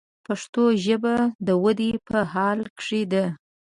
پښتو ژبه د ودې په حال کښې ده.